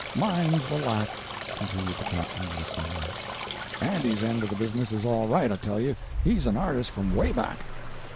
Mine's the lack," continued the captain with a sigh, "Andy's end of the business is all right I tell you he's an artist from way back!"